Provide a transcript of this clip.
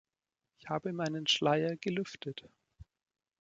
Ich habe meinen Schleier gelüftet.